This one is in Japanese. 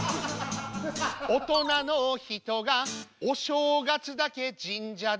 「大人の人がお正月だけ神社で」